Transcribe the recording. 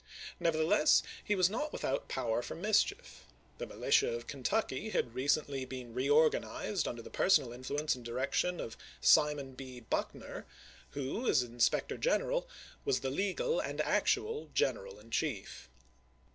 Never theless, he was not without power for mischief. The militia of Kentucky had recently been reor ganized under the personal influence and direction of Simon B. Buckner, who, as inspector general, was the legal and actual general in chief.